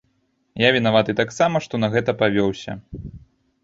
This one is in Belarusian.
Я вінаваты таксама, што на гэта павёўся.